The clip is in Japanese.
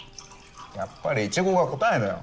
やっぱりイチゴが答えだよ。